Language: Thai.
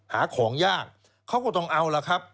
หาของยากเขาก็ต้องเอาล่ะครับ